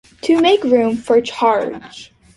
To make room, for Charge!